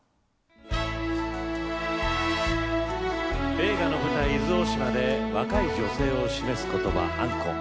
映画の舞台、伊豆大島で若い女性を示す言葉、アンコ。